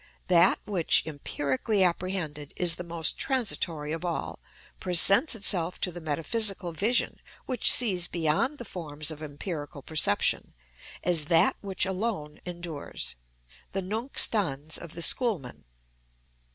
That which, empirically apprehended, is the most transitory of all, presents itself to the metaphysical vision, which sees beyond the forms of empirical perception, as that which alone endures, the nunc stans of the schoolmen.